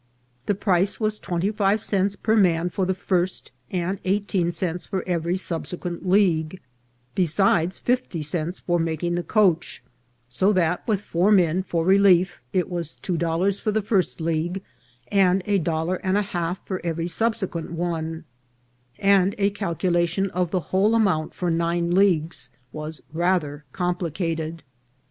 The price was twenty five cents per man for the first, and eighteen cents for every subsequent league, besides fifty cents for making the coach ; so that, with four men for relief, it was two dollars for the first league, and a dol lar and a half for every subsequent one ; and a calcula tion of the whole amount for nine leagues was rather complicated.